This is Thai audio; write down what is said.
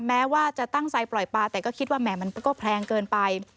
แม้ว่าจะตั้งใจปล่อยปลาแต่ก็คิดว่าแหม่มันก็แพงเกินไป